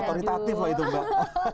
otoritatif lah itu mbak